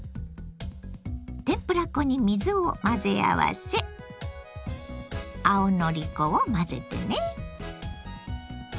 天ぷら粉に水を混ぜ合わせ青のり粉を混ぜてね。